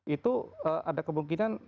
itu ada kemungkinan